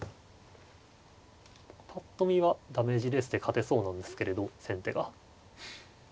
ぱっと見はダメージレースで勝てそうなんですけれど先手が。